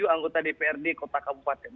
sembilan puluh tujuh anggota dprd kota kabupaten